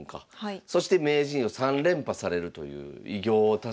そして名人を３連覇されるという偉業を達成されてますから。